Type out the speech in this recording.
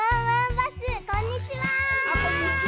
あっこんにちは！